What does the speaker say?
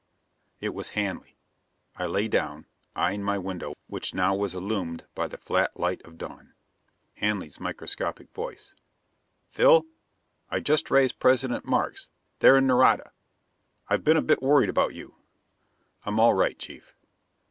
It was Hanley. I lay down, eyeing my window which now was illumined by the flat light of dawn. Hanley's microscopic voice: "Phil? I've just raised President Markes, there in Nareda. I've been a bit worried about you." "I'm all right, Chief."